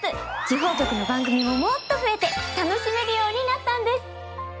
地方局の番組ももっと増えて楽しめるようになったんです。